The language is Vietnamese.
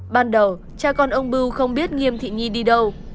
ban đầu cha con ông bưu không biết nghiêm thị nhi đi đâu